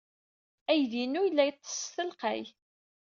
Aydi-inu yella yeḍḍes s telqey.